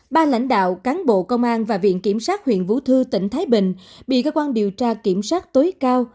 ba lãnh đạo cán bộ công an và viện kiểm sát huyện vũ thư tỉnh thái bình bị cơ quan điều tra kiểm soát tối cao